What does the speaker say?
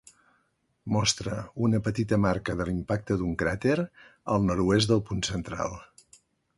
Mostra una petita marca de l'impacte d'un cràter al nord-oest del punt central.